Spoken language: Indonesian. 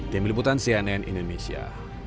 demi liputan cnn indonesia